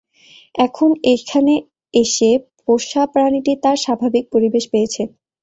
এখন এখানে এসে পোষা প্রাণীটি তার স্বাভাবিক পরিবেশ পেয়েছে।